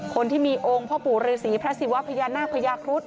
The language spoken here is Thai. คนที่มีองค์พ่อปู่ฤษีพระศิวะพญานาคพญาครุฑ